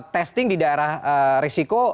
testing di daerah risiko